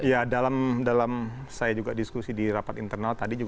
ya dalam saya juga diskusi di rapat internal tadi